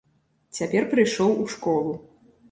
Цяпер прыйшоў у школу.